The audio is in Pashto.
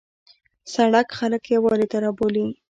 سړک خلک یووالي ته رابولي.